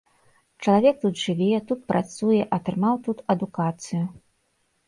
Чалавек тут жыве, тут працуе, атрымаў тут адукацыю.